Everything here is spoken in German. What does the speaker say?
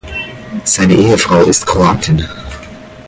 Seine Ehefrau ist Kroatin.